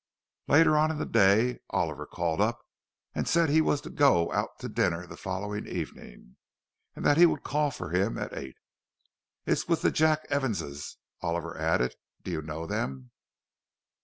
Later on in the day Oliver called up, and said that he was to go out to dinner the following evening, and that he would call for him at eight. "It's with the Jack Evanses," Oliver added. "Do you know them?"